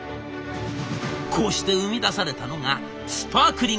こうして生み出されたのがスパークリングラムネ。